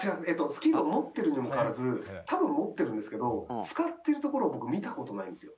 スキルを持っているにもかかわらず多分持ってるんですけど使っているところを僕見た事ないんですよ。